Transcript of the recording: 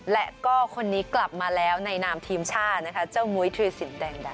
และก็คนนี้กลับมาแล้วในนามทีมชาตินะคะเจ้ามุ้ยธุรสินแดงดา